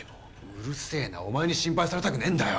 うるせえなお前に心配されたくねえんだよ。